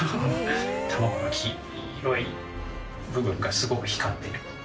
卵の黄色い部分がすごく光ってる。